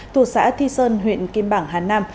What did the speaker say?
thuộc xã thi sơn huyện kim bảng hà nam